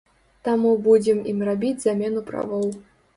Таму будзем ім рабіць замену правоў.